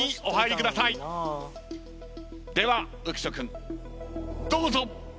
では浮所君どうぞ。